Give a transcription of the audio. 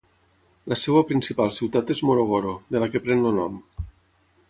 La seva principal ciutat és Morogoro, de la que pren el nom.